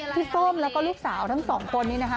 ส้มแล้วก็ลูกสาวทั้งสองคนนี้นะคะ